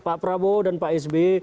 pak prabowo dan pak s b